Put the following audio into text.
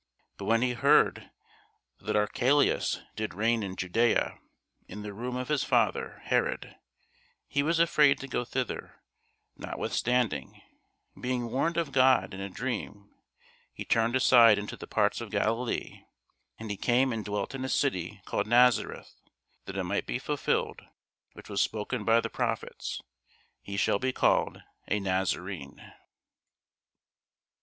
But when he heard that Archelaus did reign in Judæa in the room of his father Herod, he was afraid to go thither: notwithstanding, being warned of God in a dream, he turned aside into the parts of Galilee: and he came and dwelt in a city called Nazareth: that it might be fulfilled which was spoken by the prophets, He shall be called a Nazarene.